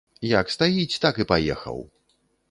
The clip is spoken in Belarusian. Як стаіць, так і паехаў.